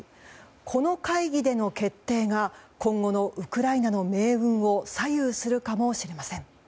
この会議での決定が今後のウクライナの命運を左右するかもしれません。